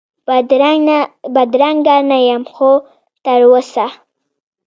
بدرنګه نه یم خو تراوسه،